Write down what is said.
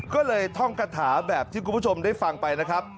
ก็เลยท่องกระถาแบบที่คุณผู้ชมได้ฟังไปนะครับ